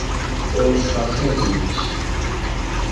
ওর শখের জিনিস।